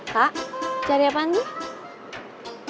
kak cari apaan tuh